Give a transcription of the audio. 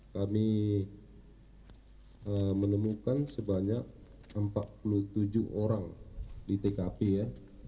kami menemukan sebanyak empat puluh tujuh orang di tkp ya